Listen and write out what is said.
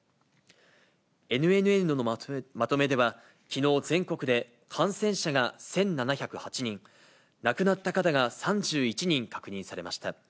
ＮＮＮのまとめでは、きのう、全国で感染者が１７０８人、亡くなった方が３１人確認されました。